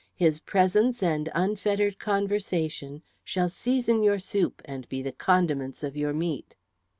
His presence and unfettered conversation shall season your soup and be the condiments of your meat."